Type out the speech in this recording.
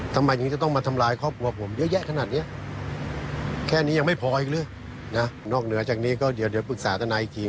ทำไมยังจะต้องมาทำลายครอบครัวผมเยอะแยะขนาดนี้